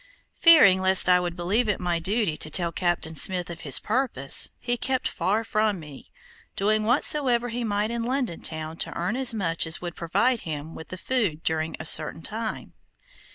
Fearing lest I would believe it my duty to tell Captain Smith of his purpose, he kept far from me, doing whatsoever he might in London town to earn as much as would provide him with food during a certain time.